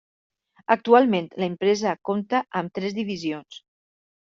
Actualment l'empresa compta amb tres divisions.